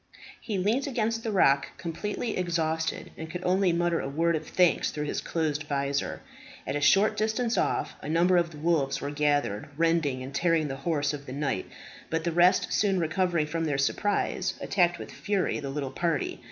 He leant against the rock completely exhausted, and could only mutter a word of thanks through his closed visor. At a short distance off a number of the wolves were gathered, rending and tearing the horse of the knight; but the rest soon recovering from their surprise, attacked with fury the little party.